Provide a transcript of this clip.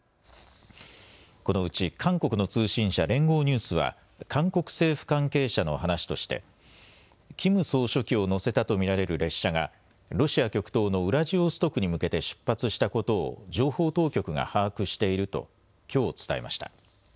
このうち韓国の通信社、連合ニュースは韓国政府関係者の話としてキム総書記を乗せたと見られる列車がロシア極東のウラジオストクに向けて出発したことを情報当局が把握しているときょう伝えました。